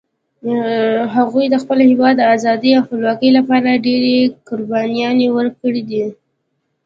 هغوی د خپل هیواد د آزادۍ او خپلواکۍ لپاره ډېري قربانيان ورکړي دي